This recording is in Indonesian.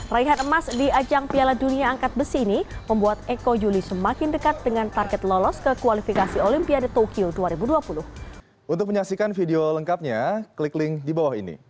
raihan emas di ajang piala dunia angkat besi ini membuat eko juli semakin dekat dengan target lolos ke kualifikasi olimpiade tokyo dua ribu dua puluh